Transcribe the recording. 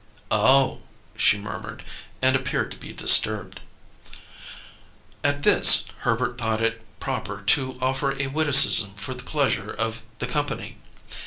"Oh!" she murmured, and appeared to be disturbed. At this, Herbert thought proper to offer a witticism for the pleasure of the company.